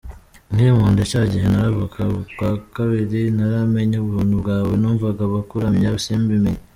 Nkiri mu nda cya gihe ntaravuka bwa kabiri ntaramenya ubuntu bwawe, numvaga abakuramya simbimenye.